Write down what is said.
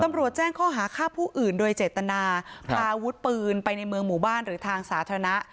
แจ้งข้อหาฆ่าผู้อื่นโดยเจตนาพาอาวุธปืนไปในเมืองหมู่บ้านหรือทางสาธารณะ